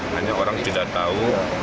hanya orang tidak tahu